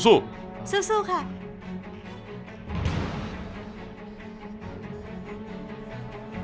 สู้ค่ะ